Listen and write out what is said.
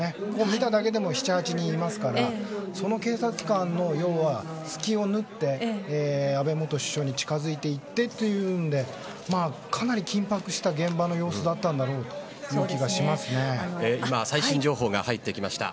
見ただけでも７８人いますからその警察官の要は隙を縫って安倍元首相に近づいていってというのでかなり緊迫した現場の様子だったんだろう今、最新情報が入ってきました。